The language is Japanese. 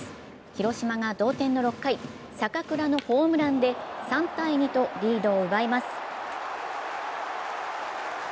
広島が同点の６回、坂倉のホームランで３−２とリードを奪います。